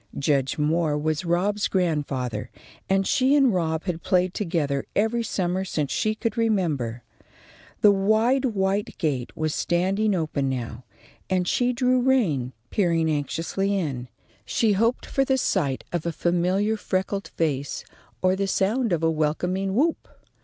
Judge Moore was Rob's grandfather, and she and Rob had played together every summer since she could remember. The wide white gate was standing open now, and she drew rein, peering anxiously in. She hoped for the sight of a familiar freckled face or the sound of a welcoming whoop.